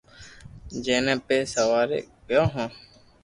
جي ني اپي سواري ڪيو هون